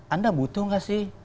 anda butuh nggak sih